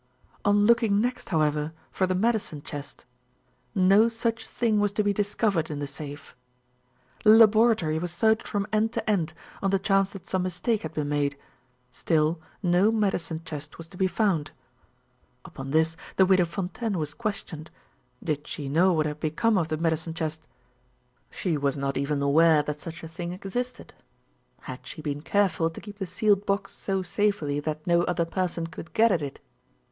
"On looking next, however, for the medicine chest, no such thing was to be discovered in the safe. The laboratory was searched from end to end, on the chance that some mistake had been made. Still no medicine chest was to be found. "Upon this the Widow Fontaine was questioned. Did she know what had become of the medicine chest? She was not even aware that such a thing existed. Had she been careful to keep the sealed box so safely that no other person could get at it?